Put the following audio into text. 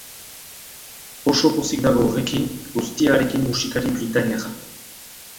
Oso pozik dago horrekin guztiarekin musikari britainiarra.